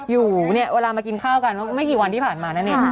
อยู่เนี่ยเวลามากินข้าวกันไม่กี่วันที่ผ่านมานั่นเองค่ะ